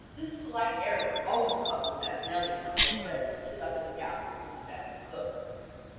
This slight error always causes Aunt Nellie and Uncle Fred to sit up in the gallery with the family cook.